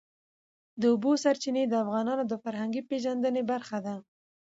د اوبو سرچینې د افغانانو د فرهنګي پیژندنې برخه ده.